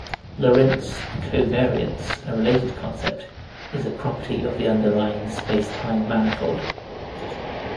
Lorentz covariance, a related concept, is a property of the underlying spacetime manifold.